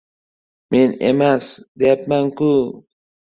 — Men emas deyapman-ku!